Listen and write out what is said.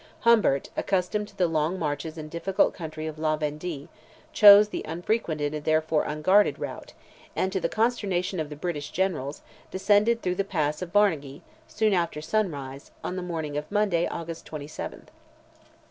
Humbert, accustomed to the long marches and difficult country of La Vendee, chose the unfrequented and therefore unguarded route, and, to the consternation of the British generals, descended through the pass of Barnagee, soon after sunrise, on the morning of Monday, August 27th.